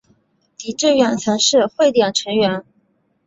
狄志远曾是汇点成员。